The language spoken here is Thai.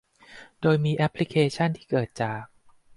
โดยมีแอปพลิเคชั่นที่เกิดจาก